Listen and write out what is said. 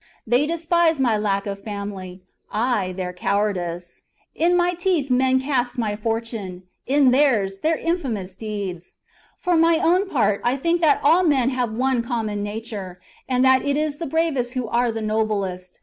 They despise my lack of family ; I their cowardice. In my teeth men cast my THE JUGURTHINE WAR. 21 3 fortune ; in theirs, their infamous deeds. For my own char part I think that all men have one common nature, and that it is the bravest who are the noblest.